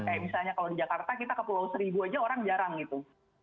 kayak misalnya kalau di jakarta kita ke pulau seribu aja orang jarang gitu